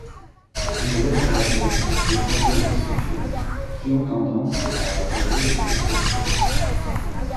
Une odeur caractéristique de composés sulfuriques qui ont tendance à attirer les chauves-souris.